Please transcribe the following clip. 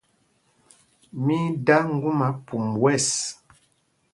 Mí í dā ŋgúma pum wɛ̂ɛs.